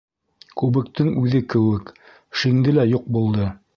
Күбектең үҙе кеүек: шиңде лә юҡ булды.